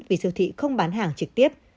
vì siêu thị không bán hàng trực tiếp